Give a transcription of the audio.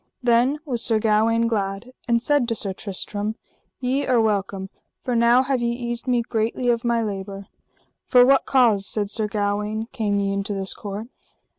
Then was Sir Gawaine glad, and said to Sir Tristram: Ye are welcome, for now have ye eased me greatly of my labour. For what cause, said Sir Gawaine, came ye into this court?